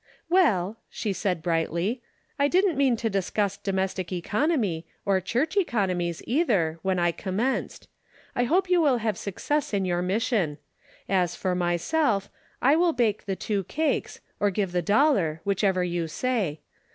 " Well," she said, brightly, " I didn't mean to discuss domestic economy, or church econo mies either, when I commenced. I hope you will have success in your mission. As for myself, I will bake the two cakes or give the dollar, whichever you say.